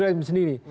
ya dari dalam sendiri